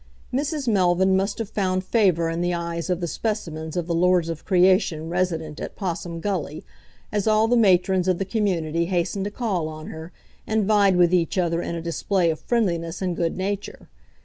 Mrs Melvyn must have found favour in the eyes of the specimens of the lords of creation resident at Possum Gully, as all the matrons of the community hastened to call on her, and vied with each other in a display of friendliness and good nature.